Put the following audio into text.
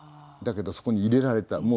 だけどそこに入れられた。